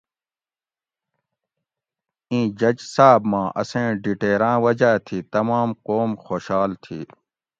ایں جج صاۤب ما اسیں ڈیٹیراۤں وجاۤ تھی تمام قوم خوشال تھی